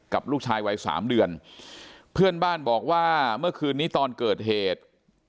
กับลูกชายวัยสามเดือนเพื่อนบ้านบอกว่าเมื่อคืนนี้ตอนเกิดเหตุ